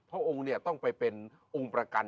พระองค์เนี่ยต้องไปเป็นองค์ประกัน